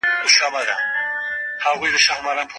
ولې تحفې ورکول خالص نفلي عمل دی؟